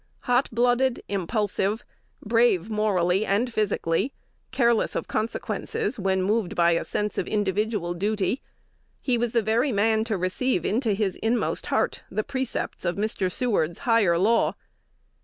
Hot blooded, impulsive, brave morally and physically, careless of consequences when moved by a sense of individual duty, he was the very man to receive into his inmost heart the precepts of Mr. Seward's "higher law."